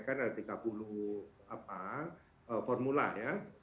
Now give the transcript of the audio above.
kurang lebih saya targetkan ada tiga puluh apa formula ya